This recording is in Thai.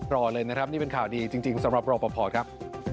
รอเลยนะครับนี่เป็นข่าวดีจริงสำหรับรอปภครับ